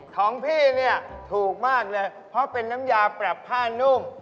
ของพี่เนี่ยถูกมากเลยเพราะเป็นน้ำยาปรับผ้านุ่ม